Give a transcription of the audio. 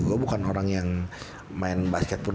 gue bukan orang yang main basket pun